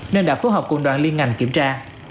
nên đã phối hợp cùng đoàn liên ngành kiểm tra